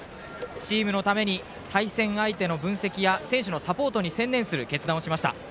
チームのために対戦相手の分析や選手のサポートに専念する決断をしました。